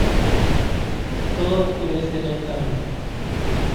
todo oscurece lentamente: